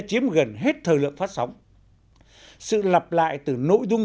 chiếm gần hết thời lượng phát sóng sự lặp lại từ nội dung